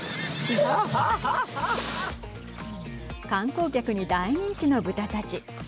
観光客に大人気の豚たち。